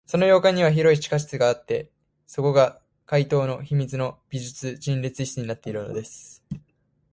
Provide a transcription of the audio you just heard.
その洋館には広い地下室があって、そこが怪盗の秘密の美術陳列室になっているのです。